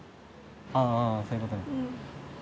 あぁそういうことね。